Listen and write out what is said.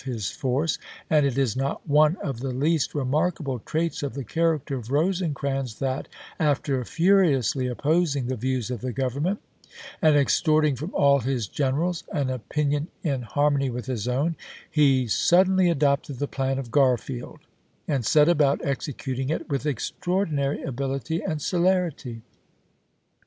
his force ; and it is not one of the least remarkable pp. 422, 423. traits of the character of Rosecrans that, after furi ously opposing the views of the Government and ex 60 ABRAHAM LINCOLN Chap. III. toi'ting from all his generals an opinion in harmony with his own, he suddenly adopted the plan of G arfield, and set about executing it with extraor dinary ability and celerity.